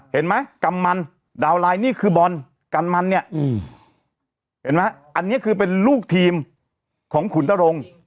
เห็นไหมกำมันดาวนไลน์นี่คือบอลกันมันเนี่ยเห็นไหมอันนี้คือเป็นลูกทีมของขุนนรงค์